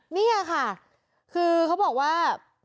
นี่ค่ะคือเขาบอกว่า